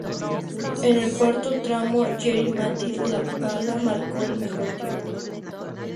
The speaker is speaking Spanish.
En el cuarto tramo Jari-Matti Latvala marcó el mejor tiempo.